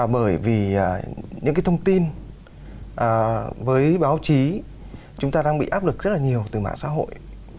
bởi vì những cái thông tin với báo chí chúng ta đang bị áp lực rất là nhiều từ mạng xã hội